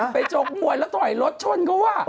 ไปโชคมวยและถอยรถชนเขาว่ะ